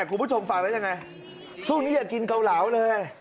คุณผู้ชมฟังแล้วยังไงช่วงนี้อย่ากินเกาเหลาเลย